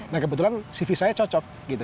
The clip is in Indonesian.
nah kebetulan cv saya cocok gitu